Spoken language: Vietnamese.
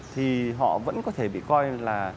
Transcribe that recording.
thì họ vẫn có thể bị coi là